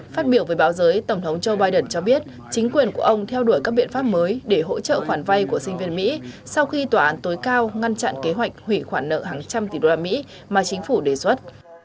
phát biểu với báo giới tổng thống joe biden cho biết chính quyền của ông theo đuổi các biện pháp mới để hỗ trợ khoản vay của sinh viên mỹ sau khi tòa án tối cao ngăn chặn kế hoạch hủy khoản nợ hàng trăm tỷ đô la mỹ mà chính phủ đề xuất